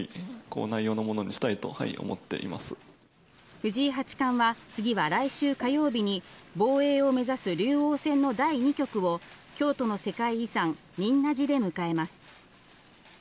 藤井八冠は次は来週火曜日に防衛を目指す竜王戦の第２局を京都の世界遺産・仁和寺で迎えます。